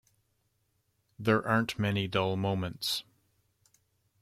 There aren't many dull moments.